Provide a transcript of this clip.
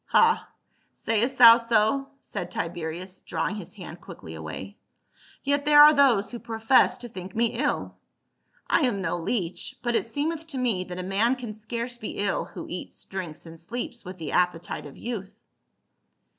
" Ha, sayest thou so?" said Tiberius, drawing his hand quickly away. " Yet there are those who pro fess to think me ill. I am no leech, but it seemeth to me that a man can scarce be ill who eats, drinks, and sleeps with the appetite of youth."